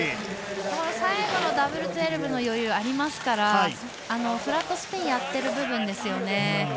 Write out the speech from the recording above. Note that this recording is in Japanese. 最後のダブル１２６０の余裕がありますからフラットスピンをやっている部分ですよね。